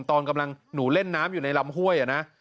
ตอนกำลังหนูเล่นน้ำอยู่ในลำห้วยนะ